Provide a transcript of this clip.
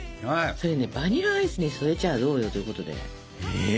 それねバニラアイスに添えちゃどうよということで。